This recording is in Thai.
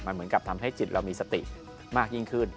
เหมือนกับทำให้จิตเรามีสติมากยิ่งขึ้น